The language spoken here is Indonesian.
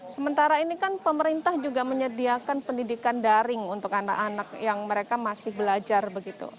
sementara ini kan pemerintah juga menyediakan pendidikan daring untuk anak anak yang mereka masih belajar begitu